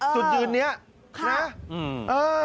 สุดยืนนะครับ